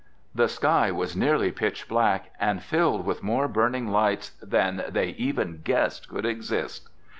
The sky was nearly pitch black and filled with more burning lights than they even guessed could exist.